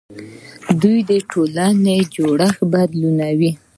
دوی د ټولنې جوړښت بدلوي.